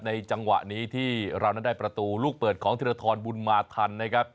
จังหวะนี้ที่เรานั้นได้ประตูลูกเปิดของธิรทรบุญมาทันนะครับ